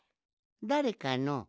だれかのう？